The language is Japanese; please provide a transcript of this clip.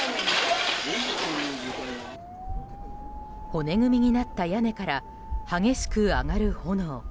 骨組みになった屋根から激しく上がる炎。